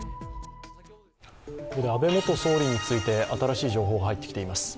ここで安倍元総理について新しい情報が入ってきています。